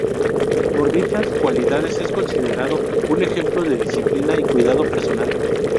Por dichas cualidades es considerado un ejemplo de disciplina y cuidado personal.